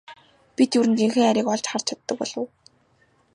Бид ер нь жинхэнэ хайрыг олж харж чаддаг болов уу?